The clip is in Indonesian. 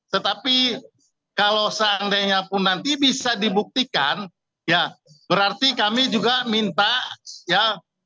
tetapi kalau seandainya pun nanti bisa dibuktikan ya berarti kami juga minta ya